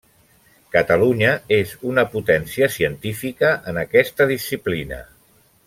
Catalunya és una potència científica en aquesta disciplina.